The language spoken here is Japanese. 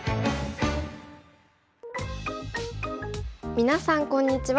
皆さんこんにちは。